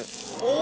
お！